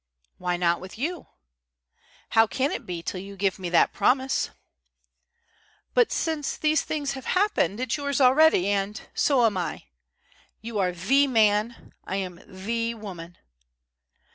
"Why not with you?" "How can it be till you give me that promise?" "But since these things have happened, it's yours already. And so am I. You are the man. I am the woman!"